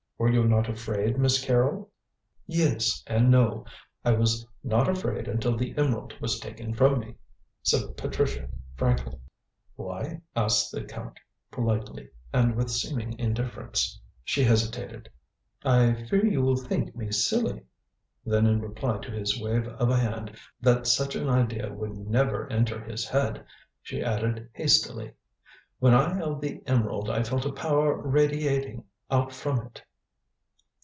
"Were you not afraid, Miss Carrol?" "Yes and no. I was not afraid until the emerald was taken from me," said Patricia frankly. "Why?" asked the Count politely, and with seeming indifference. She hesitated. "I fear you will think me silly." Then in reply to his wave of a hand that such an idea would never enter his head, she added hastily: "When I held the emerald I felt a power radiating out from it."